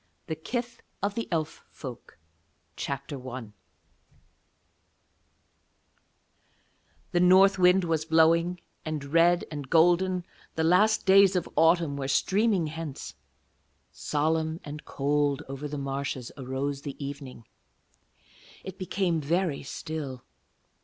The Kith of the Elf Folk Chapter I The north wind was blowing, and red and golden the last days of Autumn were streaming hence. Solemn and cold over the marshes arose the evening. It became very still.